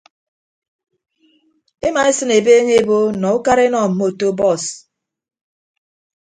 Emaesịn ebeeñe ebo nọ ukara enọ mmoto bọọs.